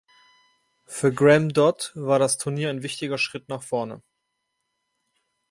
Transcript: Für Graeme Dott war das Turnier ein wichtiger Schritt nach vorne.